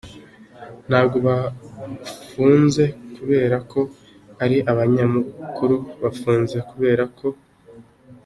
"Ntabwo bafunzwe kubera ko ari abanyamakuru, bafunzwe kubera ko.